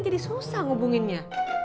jadi susah ngubunginnya